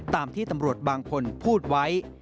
ตามที่ตำรวจบางคนพูดไว้